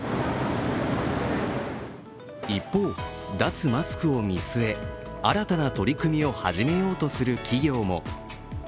一方、脱マスクを見据え、新たな取り組みを始めようとする企業も。